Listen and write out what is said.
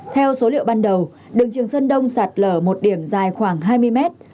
theo số liệu ban đầu đường trường sơn đông sạt lở một điểm dài khoảng hai mươi mét